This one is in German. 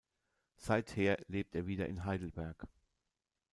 Seither lebt er wieder in Heidelberg.